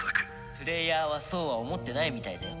プレイヤーはそうは思ってないみたいだよ。